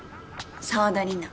澤田里奈。